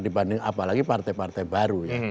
dibanding apalagi partai partai baru ya